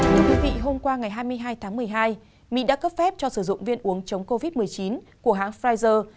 thưa quý vị hôm qua ngày hai mươi hai tháng một mươi hai mỹ đã cấp phép cho sử dụng viên uống chống covid một mươi chín của hãng pfizer